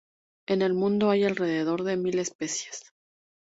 En el mundo hay alrededor de mil especies.